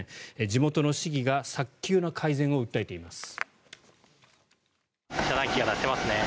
地元の市議が早急な改善を訴えています。